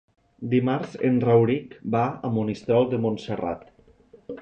Dimarts en Rauric va a Monistrol de Montserrat.